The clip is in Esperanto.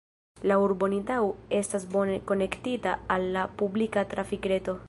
La urbo Nidau estas bone konektita al la publika trafikreto.